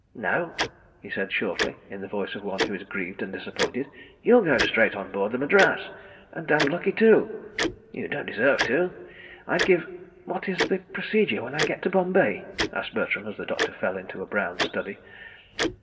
"No," he said shortly in the voice of one who is grieved and disappointed. "You'll go straight on board the Madras—and damned lucky too. ... You don't deserve to. ... I'd give ..." "What is the procedure when I get to Bombay?" asked Bertram, as the doctor fell into a brown study.